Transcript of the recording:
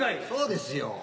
そうですよ。